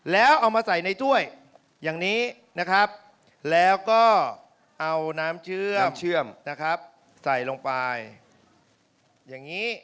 แล้วเอามาใส่ในถ้วยอย่างนี้นะครับแล้วก็เอาน้ำเชื่อมเชื่อมนะครับใส่ลงไปอย่างนี้